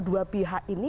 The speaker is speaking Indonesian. dua pihak ini